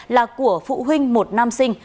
là của phụ huynh một nam sinh